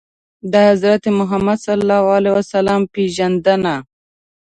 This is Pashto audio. د حضرت محمد ﷺ پېژندنه